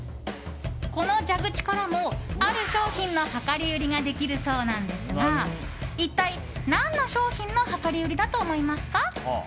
この蛇口からも、ある商品の量り売りができるそうなんですが一体、何の商品の量り売りだと思いますか？